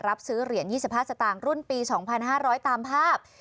รับซื้อเหรียญ๒๕สตางค์รุ่นปี๒๕๐๐ตามภาพ